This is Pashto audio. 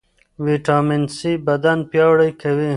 ویټامین سي بدن پیاوړی کوي.